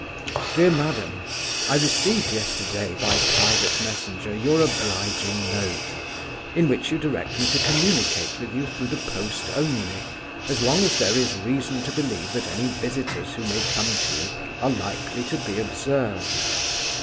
"DEAR MADAM I received yesterday, by private messenger, your obliging note, in which you direct me to communicate with you through the post only, as long as there is reason to believe that any visitors who may come to you are likely to be observed.